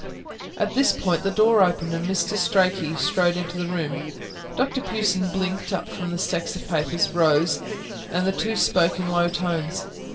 At this point, the door opened and Mr. Strachey strode into the room. Dr Pughson blinked up from the stacks of papers, rose, and the two spoke in low tones.